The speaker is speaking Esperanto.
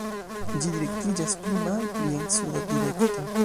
Ĝi direktiĝas pli malpli en suda direkto.